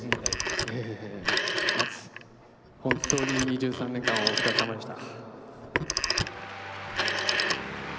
えー松、本当に２３年間お疲れさまでした。